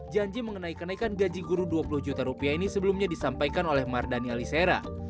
janji mengenai kenaikan gaji guru dua puluh juta rupiah ini sebelumnya disampaikan oleh mardhani alisera